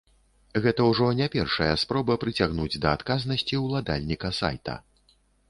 Гэта ўжо не першая спроба прыцягнуць да адказнасці ўладальніка сайта.